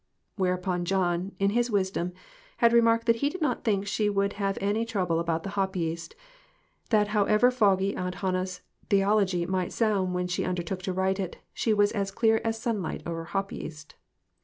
Whereupon John, in his wisdom, had remarked that he did not think she would have any trouble about the hop yeast ; that however foggy Aunt Hannah's theology might sound when she under took to write it, she was as clear as sunlight over hop yeast.